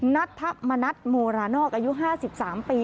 นัทธมณัฐโมรานอกอายุ๕๓ปี